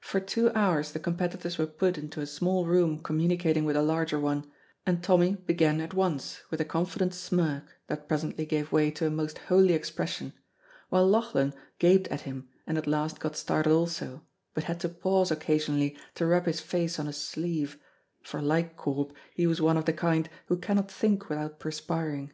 For two hours the competitors were put into a small room communicating with the larger one, and Tommy began at once with a confident smirk that presently gave way to a most holy expression; while Lauchlan gaped at him and at last got started also, but had to pause occasionally to rub his face on his sleeve, for like Corp he was one of the kind who cannot think without perspiring.